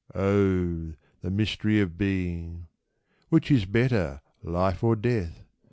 Oh, the mystery of being ! Which is better, life or death